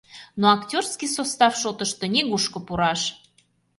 Но актёрский состав шотышто нигушко пураш.